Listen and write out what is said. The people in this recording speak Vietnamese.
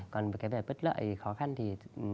còn về cái vật lợi khó khăn thì